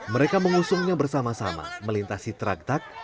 mereka mengusungnya bersama sama melintasi traktak